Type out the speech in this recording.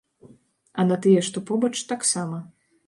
А на тыя, што побач, таксама.